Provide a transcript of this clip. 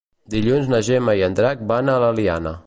Dilluns na Gemma i en Drac van a l'Eliana.